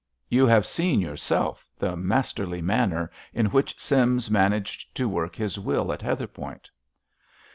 You have seen yourself the masterly manner in which Sims managed to work his will at Heatherpoint.